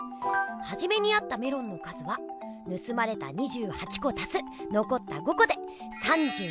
はじめにあったメロンの数はぬすまれた２８こたすのこった５こで３３こ。